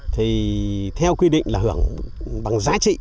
thì theo quy định là hưởng bằng giá trị